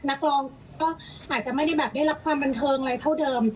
นักร้องก็อาจจะไม่ได้แบบได้รับความบันเทิงอะไรเท่าเดิม